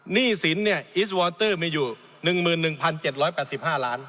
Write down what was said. หนี้สินเนี่ยอิสวอเตอร์มีอยู่หนึ่งหมื่นหนึ่งพันเจ็ดร้อยแปดสิบห้าล้าน